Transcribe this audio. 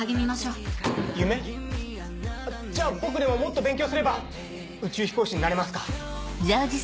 じゃあ僕でももっと勉強すれば宇宙飛行士になれますか？